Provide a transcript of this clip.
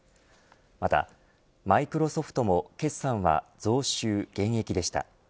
またマイクロソフトも決算は増収減益でした。